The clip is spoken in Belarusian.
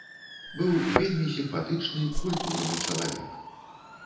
Быў вельмі сімпатычны, культурны чалавек.